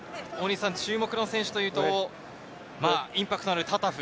注目の選手というと、インパクトのあるタタフ。